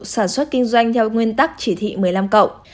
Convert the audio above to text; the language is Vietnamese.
sản xuất kinh doanh theo nguyên tắc chỉ thị một mươi năm cộng